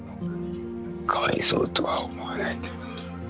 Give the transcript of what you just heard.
かわいそうとは思わないで。